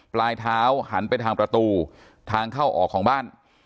ปลายเท้าหันไปทางประตูทางเข้าออกของบ้าน